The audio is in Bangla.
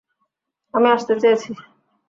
আমি আসতে চেয়েছি।